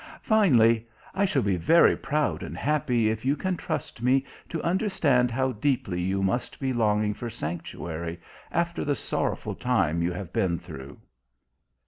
Finally: "I shall be very proud and happy if you can trust me to understand how deeply you must be longing for sanctuary after the sorrowful time you have been through...."